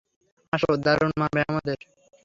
আসো, দারুণ মানাবে আমাদের।